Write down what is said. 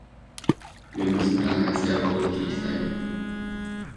Wir müssen daher sehr vorsichtig sein.